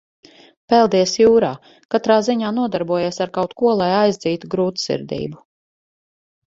Peldies jūrā, katrā ziņā nodarbojies ar kaut ko, lai aizdzītu grūtsirdību.